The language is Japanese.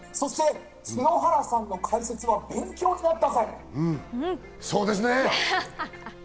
篠原さんの解説は本当に勉強になった。